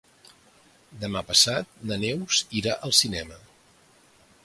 Demà passat na Neus irà al cinema.